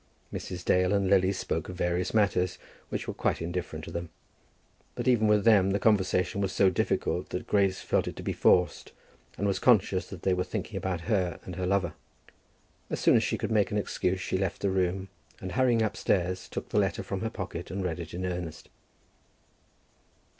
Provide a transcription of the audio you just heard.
Mrs. Dale and Lily spoke of various matters, which were quite indifferent to them; but even with them the conversation was so difficult that Grace felt it to be forced, and was conscious that they were thinking about her and her lover. As soon as she could make an excuse she left the room, and hurrying upstairs took the letter from her pocket and read it in earnest.